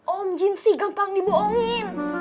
om jin sih gampang dibohongin